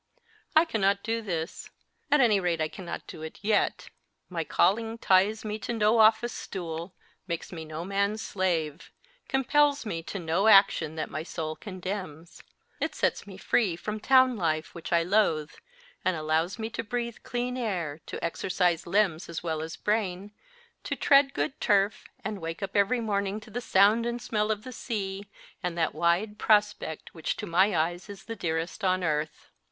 I cannot do this ; at any rate, I cannot do it yet. My calling ties me to no office stool, makes me no man s slave, compels me to no action that my soul condemns. It sets me free from town life, which I loathe, and allows me to breathe clean air, to exercise limbs as well as brain, to tread good turf and wake up every morning to the sound and smell of the sea and that wide prospect which to is T IVERSITY 282 MY FIRST BOOK my eyes is the dearest on earth.